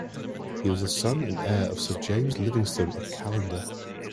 He was the son and heir of Sir James Livingston of Callendar.